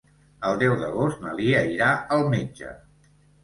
El deu d'agost na Lia irà al metge.